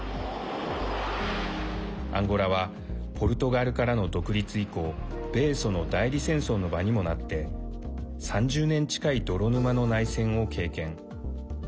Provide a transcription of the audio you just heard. アンゴラはポルトガルからの独立以降米ソの代理戦争の場にもなって３０年近い泥沼の内戦を経験。